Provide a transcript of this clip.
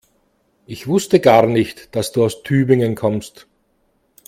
Ich wusste gar nicht, dass du aus Tübingen kommst